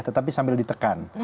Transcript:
tetapi sambil ditekan